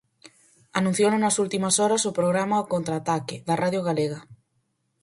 Anunciouno nas últimas horas o programa 'Ao contraataque' da Radio Galega.